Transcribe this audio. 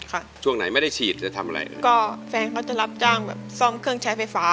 ช่วงไหนไม่ได้ฉีดจะทำอะไรก็แฟนเขาจะรับจ้างแบบซ่อมเครื่องใช้ไฟฟ้า